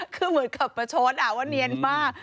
คือเหมือนกับประชดว่าเนียนมาก